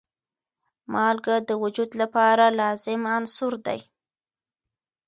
مالګه د وجود لپاره لازم عنصر دی.